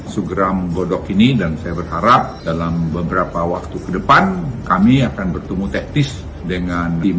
segera menggodok ini dan saya berharap dalam beberapa waktu ke depan kami akan bertemu teknis dengan tim